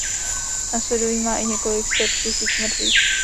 Na svědomí má i několik set tisíc mrtvých.